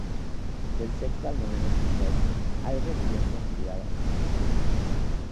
Del sexto al noveno pisos hay residencias privadas.